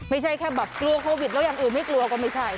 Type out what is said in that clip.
ไม่ใช่แค่แบบกลัวโควิดแล้วอย่างอื่นไม่กลัวก็ไม่ใช่